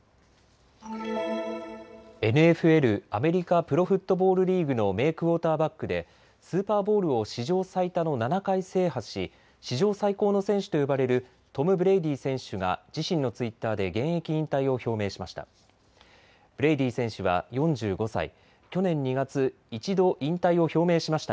ＮＦＬ・アメリカプロフットボールリーグの名クオーターバックでスーパーボウルを史上最多の７回制覇し、史上最高の選手と呼ばれるトム・ブレイディ選手が自身のツイッターで現役引退を表明しました。